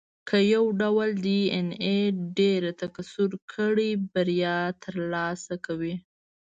که یو ډول ډېایناې ډېره تکثر کړي، بریا ترلاسه کوي.